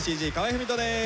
郁人です。